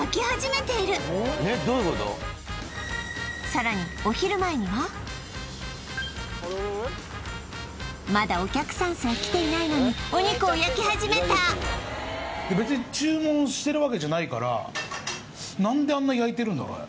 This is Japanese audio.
さらにまだお客さんさえ来ていないのにお肉を焼き始めた別に注文してるわけじゃないから何であんな焼いてるんだろう？